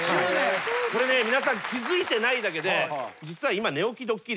これね皆さん気付いてないだけで実は今寝起きドッキリ。